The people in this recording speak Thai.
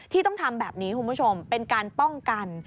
ต้องทำแบบนี้คุณผู้ชมเป็นการป้องกัน